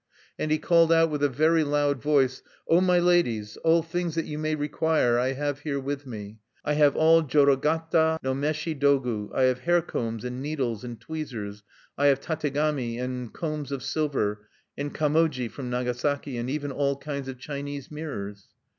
And he called out with a very loud voice: "O my ladies, all things that you may require I have here with me! "I have all jorogata no meshi dogu; I have hair combs and needles and tweezers; I have tategami, and combs of silver, and kamoji from Nagasaki, and even all kinds of Chinese mirrors!"